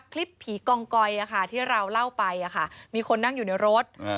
คลิปผีกองกอยที่เราเล่าไปมีคนนั่งอยู่ในรถ